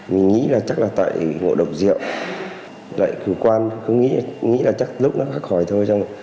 mình nghĩ là chắc là tại ngộ độc rượu lại cử quan cũng nghĩ là chắc lúc nó phát khỏi thôi